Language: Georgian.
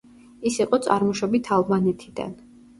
ის იყო წარმოშობით ალბანეთიდან.